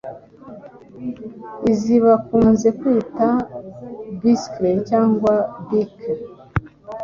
izi bakunze kwita bicycle cyangwa biker